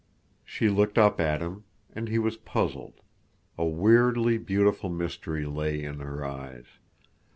She looked up at him, and he was puzzled. A weirdly beautiful mystery lay in her eyes.